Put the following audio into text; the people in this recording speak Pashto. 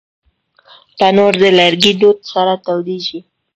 تنور د لرګي دود سره تودېږي